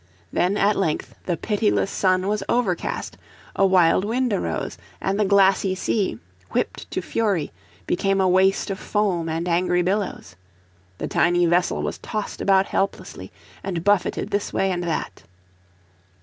Then at length the pitiless sun was overcast, a wild wind arose, and the glassy sea, whipped to fury, became a waste of foam and angry billows. The tiny vessel was tossed about helplessly and buffeted this way and that.